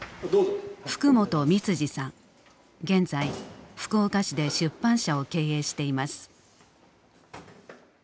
現在福岡市で出版社を経営しています。